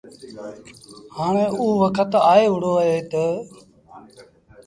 هآڻي اوٚ وکت آئي وهُڙو اهي تا